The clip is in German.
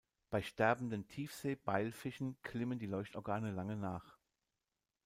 Bei sterbenden Tiefsee-Beilfischen glimmen die Leuchtorgane lange nach.